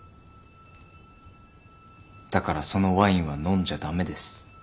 だからそのワインは飲んじゃ駄目です。